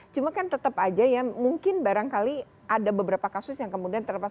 cuma kan tetap aja ya mungkin barangkali ada beberapa kasus yang kemudian terlepas